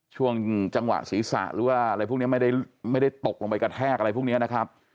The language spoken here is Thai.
ช่วงจังหวะศีรษะหรือว่าอะไรพวกนี้ไม่ได้ตกลงไปกระแทกอะไรพวกนี้นะครับ